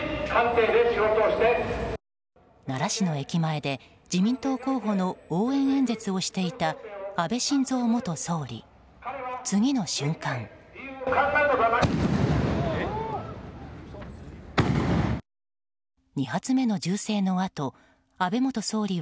奈良市の駅前で自民党候補の応援演説をしていた安倍晋三元総理。